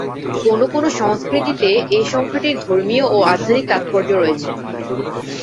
কোনো কোনো সংস্কৃতিতে এ সংখ্যাটির ধর্মীয় ও আধ্যাত্মিক তাৎপর্য রয়েছে।